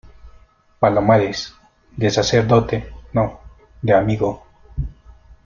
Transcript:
palomares, de sacerdote , no , de amigo.